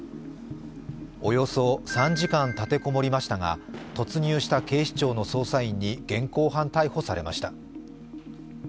およそ３時間立てこもりましたが、突入した警視庁の捜査員に現行犯逮捕されました。